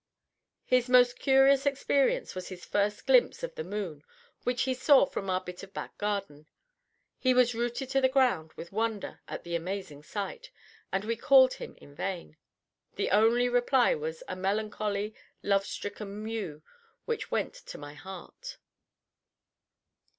His most curious experience was his first glimpse of the moon, which he saw from our bit of back garden. He was rooted to the ground with wonder at the amazing sight, and we called him in vain. The only reply was a melancholy, love stricken mew which went to my heart.